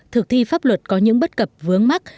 thực thi pháp luật có những bất cập vướng mắt